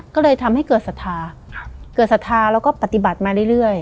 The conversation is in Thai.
ก็เลยทำให้เกิดศรัทธาเกิดศรัทธาแล้วก็ปฏิบัติมาเรื่อย